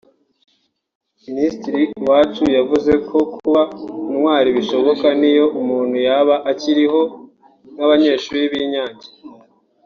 Minisitiri Uwacu yavuze ko kuba intwari bishoboka n’iyo umuntu yaba akiriho nk’Abanyeshuri b’i Nyange